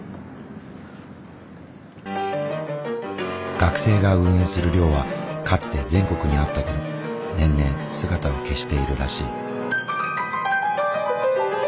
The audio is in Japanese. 学生が運営する寮はかつて全国にあったけど年々姿を消しているらしい。